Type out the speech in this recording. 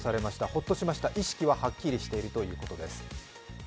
ホッとしました、意識は、はっきりしているということです。